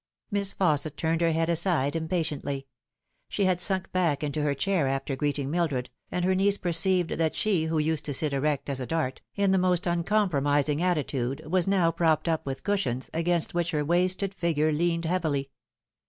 Miss Fausset turned her head aside impatiently. She had sunk back into her chair after greeting Mildred, and her niece perceived that she, who used to sit erect as a dart, in the most uncompromising attitude, was now propped up with cushions, against which her wasted figure leaned heavily.